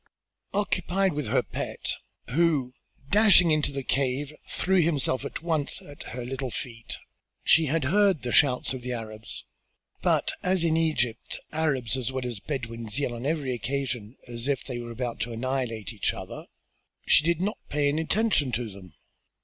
Occupied with her pet, who, dashing into the cave, threw himself at once at her little feet, she had heard the shouts of the Arabs, but, as in Egypt Arabs as well as Bedouins yell on every occasion as if they are about to annihilate each other, she did not pay any attention to them.